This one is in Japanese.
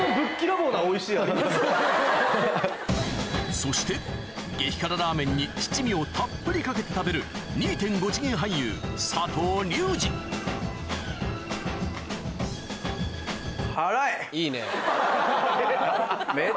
そして激辛ラーメンに七味をたっぷりかけて食べるいいね。